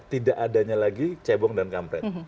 tidak adanya lagi cebong dan kampret